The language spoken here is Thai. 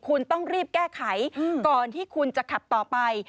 คุณต้องรีบแก้ไขก่อนที่คุณจะขับต่อไป